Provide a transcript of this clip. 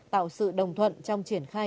tạo sự đồng thuận trong triển khai